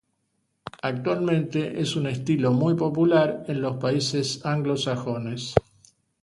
Actualmente es un estilo muy popular en los países anglosajones.